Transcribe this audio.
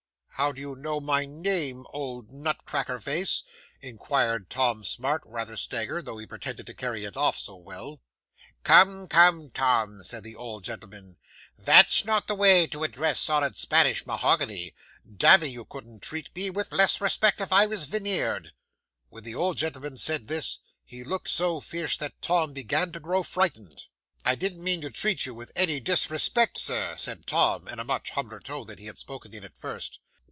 '"How do you know my name, old nut cracker face?" inquired Tom Smart, rather staggered; though he pretended to carry it off so well. '"Come, come, Tom," said the old gentleman, "that's not the way to address solid Spanish mahogany. Damme, you couldn't treat me with less respect if I was veneered." When the old gentleman said this, he looked so fierce that Tom began to grow frightened. '"I didn't mean to treat you with any disrespect, Sir," said Tom, in a much humbler tone than he had spoken in at first.